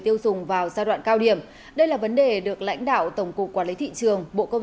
tiêu dùng vào giai đoạn cao điểm đây là vấn đề được lãnh đạo tổng cục quản lý thị trường bộ công